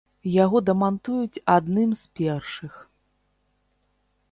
Яго дамантуюць адным з першых.